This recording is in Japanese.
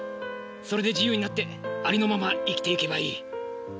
それで自由になってありのまま生きていけばいい。